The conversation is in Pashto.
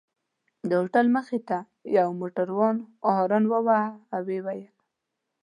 د هوټل مخې ته یوه موټر هارن وواهه، ما وویل.